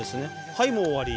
はいもう終わり。